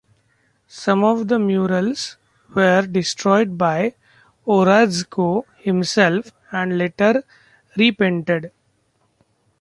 Some of the murals were destroyed by Orozco himself, and later repainted.